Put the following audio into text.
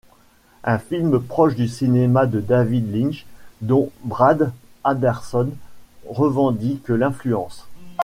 Un film proche du cinéma de David Lynch dont Brad Anderson revendique l'influence.